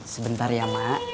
sebentar ya mak